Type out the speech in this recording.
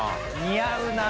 似合うな。